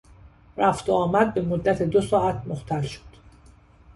رفت و آمد به مدت دو ساعت مختل شد.